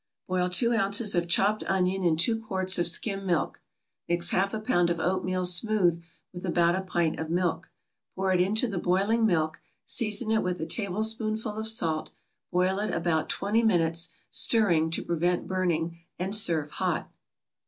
= Boil two ounces of chopped onion in two quarts of skim milk; mix half a pound of oatmeal smooth with about a pint of milk, pour it into the boiling milk, season it with a tablespoonful of salt, boil it about twenty minutes, stirring to prevent burning, and serve hot.